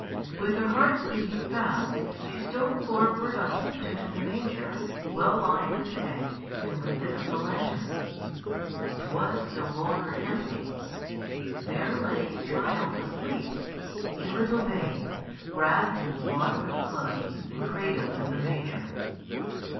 With her heart beating fast she stole forward on tiptoe to the manger, well lined with hay, and lifted up the lantern. It was no longer empty: there lay a child asleep, a little babe, wrapped in swaddling clothes and cradled in the manger!